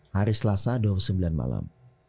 hari selasa dua puluh sembilan malam